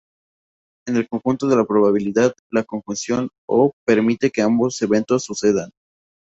En el ámbito de la probabilidad, la conjunción ""o"" permite que ambos eventos sucedan.